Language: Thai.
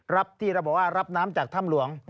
ที่เราบอกว่ารับน้ำจากถ้ำหลวง